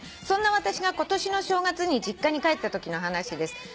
「そんな私が今年の正月に実家に帰ったときの話です」